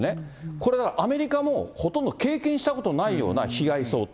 これがアメリカもほとんど経験したことのないような被害想定。